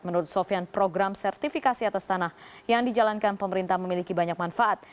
menurut sofian program sertifikasi atas tanah yang dijalankan pemerintah memiliki banyak manfaat